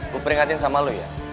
gue peringatin sama lo ya